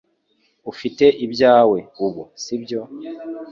Ufite ibyawe ubu sibyo